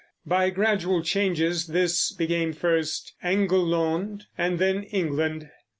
By gradual changes this became first Englelond and then England.